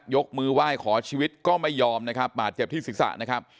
ยกมือไหว้ขอชีวิตก็ไม่ยอมนะครับบาดเจ็บที่ศีรษะนะครับ